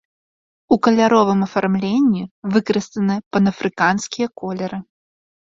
У каляровым афармленні выкарыстаны панафрыканскія колеры.